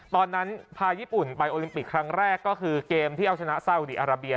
พาญี่ปุ่นไปโอลิมปิกครั้งแรกก็คือเกมที่เอาชนะซาอุดีอาราเบีย